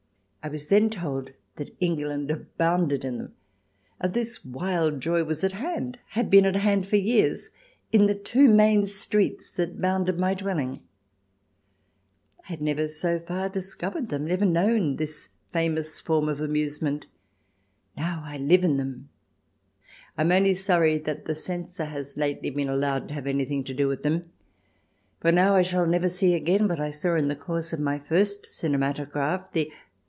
I was then told that England abounded in them, and that this wild joy was at hand, and had been at hand for years in the two main streets that bounded my dwelling. I had never, so far, discovered them — never known this 282 THE DESIRABLE ALIEN [ch. xx famous form of amusement. Now I live in them. I am only sorry that the censor has lately been allowed to have anything to do with them ; for now I shall never see again what I saw in the course of my first cinematograph — the